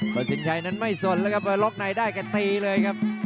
สินชัยนั้นไม่สนแล้วครับพอล็อกในได้แกตีเลยครับ